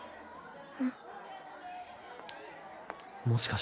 うん。